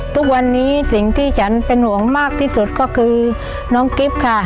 ทุกวันนี้สิ่งที่ฉันเป็นห่วงมากที่สุดก็คือน้องกิฟต์ค่ะ